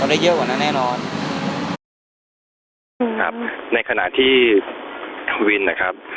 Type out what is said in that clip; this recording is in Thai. ได้เยอะกว่านั้นแน่นอนครับในขณะที่ทวินนะครับ